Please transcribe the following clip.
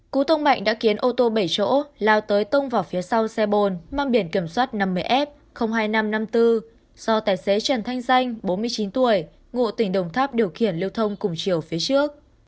cú tông mạnh đã khiến ô tô bảy chỗ lao tới tông vào phía sau xe bồn mang biển kiểm soát năm mươi f hai nghìn năm trăm năm mươi bốn do tài xế trần thanh danh bốn mươi chín tuổi ngụ tỉnh đồng tháp điều khiển lưu thông cùng chiều phía trước